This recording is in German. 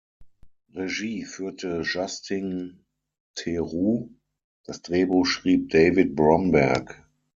Regie führte Justin Theroux, das Drehbuch schrieb David Bromberg.